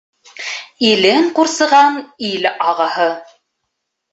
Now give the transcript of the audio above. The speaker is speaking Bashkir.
Илен ҡурсыған ил ағаһы.